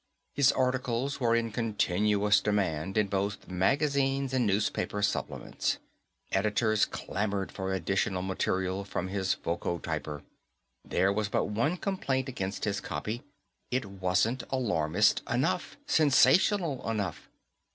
His articles were in continuous demand in both magazines and newspaper supplements; editors clamored for additional material from his voco typer. There was but one complaint against his copy it wasn't alarmist enough, sensational enough.